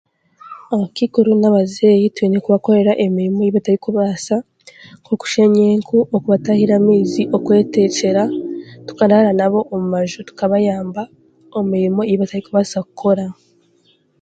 Abakaikuru n'abazeeyi twine kubakorera emirimo ei batarikubaasa, nk'okusheenya enku, okubatahira amaizi, okwetekyera n'okuraara nabo omu maju, tukabayamba emirimo ei batarikubaasa kukora